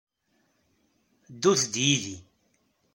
Ddut-d yid-i.